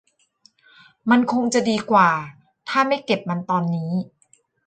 มันคงจะดีกว่าถ้าไม่เก็บมันตอนนี้